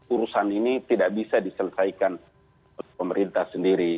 urusan ini tidak bisa diselesaikan oleh pemerintah sendiri